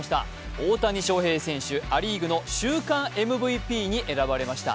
大谷翔平選手、ア・リーグの週間ＭＶＰに選ばれました。